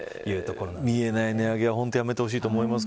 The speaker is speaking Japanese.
見えない値上げは本当に、やめてほしいですね。